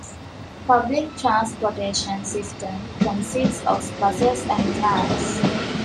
Public transportation system consists of buses and trams.